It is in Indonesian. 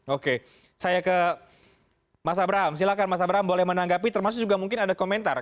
oke saya ke mas abraham silahkan mas abraham boleh menanggapi termasuk juga mungkin ada komentar